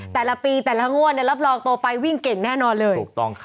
แต่ละปีแต่ละงวดเนี่ยรับรองโตไปวิ่งเก่งแน่นอนเลย